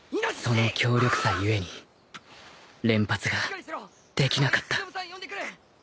その強力さ故に連発ができなかった